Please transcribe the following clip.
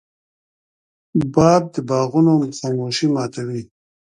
باد د باغونو خاموشي ماتوي